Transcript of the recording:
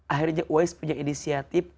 akhirnya uwais punya inisiatif